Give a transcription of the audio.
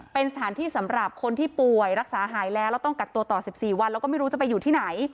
เป็นสถานที่สำหรับคนที่ป่วยรักษาหายแล้วแล้วต้องกักตัวต่อ๑๔วันแล้วก็ไม่รู้จะไปอยู่ที่ไหน